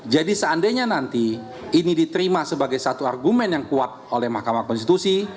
seandainya nanti ini diterima sebagai satu argumen yang kuat oleh mahkamah konstitusi